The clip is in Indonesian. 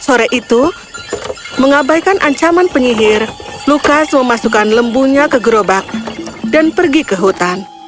sore itu mengabaikan ancaman penyihir lukas memasukkan lembunya ke gerobak dan pergi ke hutan